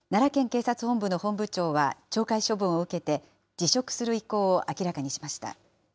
警察本部の本部長は懲戒処分を受けて、辞職する意向を明らかにしました。